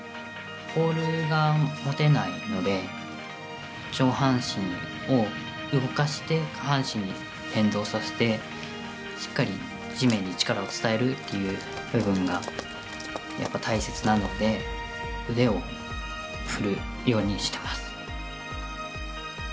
ポールが持てないので上半身を動かして下半身に連動させてしっかり地面に力を伝えるという部分がやっぱり、大切なので腕を振るようにしてます。